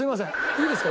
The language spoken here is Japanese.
いいですか？